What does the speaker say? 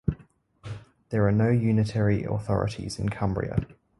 There are no unitary authorities in Cumbria.